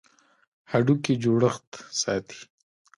هډوکي جوړښت ساتي.